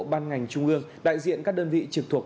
ban ngành trung ương đại diện các đơn vị trực thuộc